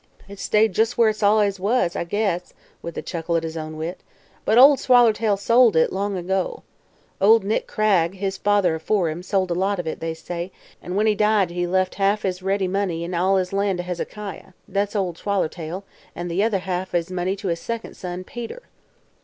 "It's stayed jes' where it allus was, I guess," with a chuckle at his own wit, "but Ol' Swaller tail sold it, long ago. Ol' Nick Cragg, his father afore him, sold a lot of it, they say, and when he died he left half his ready money an' all his land to Hezekiah thet's Ol' Swallertail an' the other half o' his money to his second son, Peter."